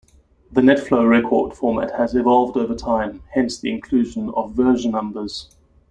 The NetFlow record format has evolved over time, hence the inclusion of version numbers.